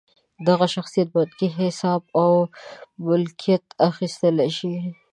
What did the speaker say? دغه شخصیت بانکي حساب او ملکیت اخیستلی شي.